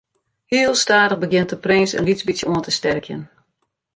Heel stadich begjint de prins in lyts bytsje oan te sterkjen.